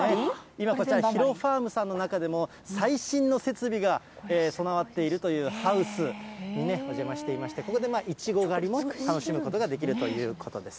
今、こちらヒロファームさんの中でも、最新の設備が備わっているというハウスにお邪魔していまして、ここでいちご狩りも楽しむことができるということです。